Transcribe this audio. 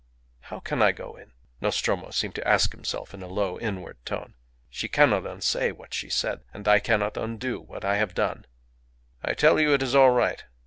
"How can I go in?" Nostromo seemed to ask himself in a low, inward tone. "She cannot unsay what she said, and I cannot undo what I have done." "I tell you it is all right.